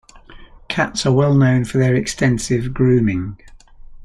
Cats are well known for their extensive grooming.